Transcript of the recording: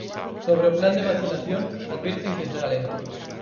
Sobre o plan de vacinación, advirten que será lento.